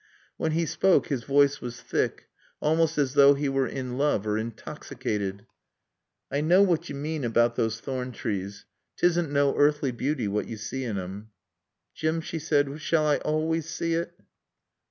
When he spoke his voice was thick, almost as though he were in love or intoxicated. "I knaw what yo mane about those thorn trees. 'Tisn' no earthly beauty what yo see in 'em." "Jim," she said, "shall I always see it?"